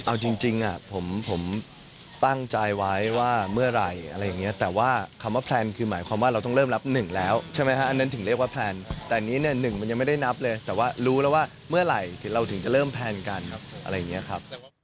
เอาจริงผมตั้งใจไว้ว่าเมื่อไหร่อะไรอย่างนี้แต่ว่าคำว่าแพลนคือหมายความว่าเราต้องเริ่มรับ๑แล้วใช่ไหมฮะอันนั้นถึงเรียกว่าแพลนแต่อันนี้เนี่ย๑มันยังไม่ได้นับเลยแต่ว่ารู้แล้วว่าเมื่อไหร่ถึงเราถึงจะเริ่มแพลนกันอะไรอย่างนี้ครับ